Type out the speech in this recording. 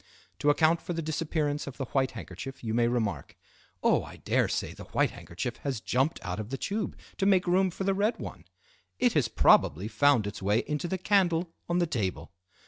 To account for the disappearance of the white handkerchief you may remark: "Oh, I dare say the white handkerchief has jumped out of the tube to make room for the red one. It has probably found its way into the candle on the table."